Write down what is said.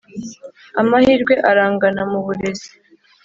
amahirwe arangana mu burezi.